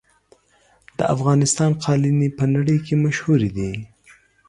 د افغانستان قالینې په نړۍ کې مشهورې دي.